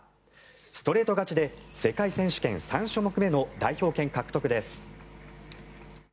ストレート勝ちで世界選手権３種目目の代表権獲得です。